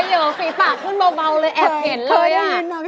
เฮ้สีปากขึ้นเบ่าแอบเห็นเลยอะ